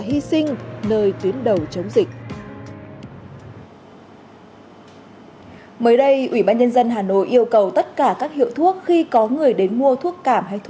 hy sinh nơi tuyến đầu chống dịch